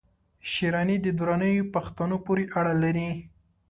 شېراني د درانیو پښتنو پوري اړه لري